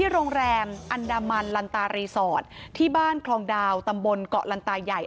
โรงแรมอันดามันลันตารีสอร์ทที่บ้านคลองดาวตำบลเกาะลันตาใหญ่